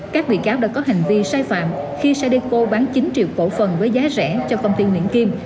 các bị cáo đã có hành vi sai phạm khi sadeco bán chín triệu cổ phần với giá rẻ cho công ty nguyễn kim